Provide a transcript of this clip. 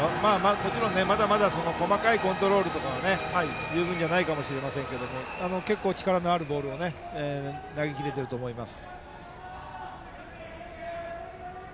もちろんまだまだ細かいコントロールとかは十分じゃないかもしれませんが結構力のあるボールを投げ切れていると思います。